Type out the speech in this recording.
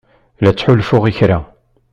La ttḥulfuɣ i kra.